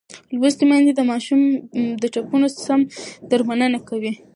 لوستې میندې د ماشومانو د ټپونو سم درملنه کوي.